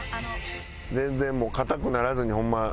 全然もう硬くならずにホンマ。